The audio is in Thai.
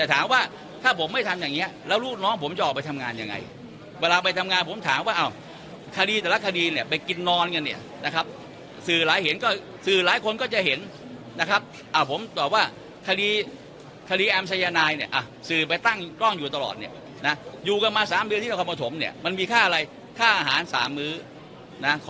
แต่ถามว่าถ้าผมไม่ทำอย่างนี้แล้วลูกน้องผมจะออกไปทำงานยังไงเวลาไปทำงานผมถามว่าอ้าวคดีแต่ละคดีเนี่ยไปกินนอนกันเนี่ยนะครับสื่อหลายเห็นก็สื่อหลายคนก็จะเห็นนะครับผมตอบว่าคดีคดีแอมชายนายเนี่ยสื่อไปตั้งกล้องอยู่ตลอดเนี่ยนะอยู่กันมาสามเดือนที่นครปฐมเนี่ยมันมีค่าอะไรค่าอาหารสามมื้อนะขอ